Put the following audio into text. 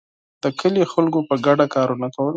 د کلي خلکو په ګډه کارونه کول.